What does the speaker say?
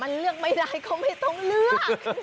มันเลือกไม่ได้ก็ไม่ต้องเลือก